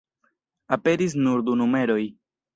Aperis nur du numeroj.